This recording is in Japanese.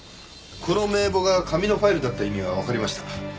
この名簿が紙のファイルだった意味がわかりました。